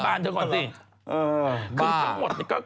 กลางหัวกลับบ้านด้วยก่อนสิ